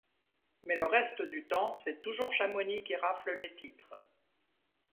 Mais le reste du temps, c'est toujours Chamonix qui rafle les titres.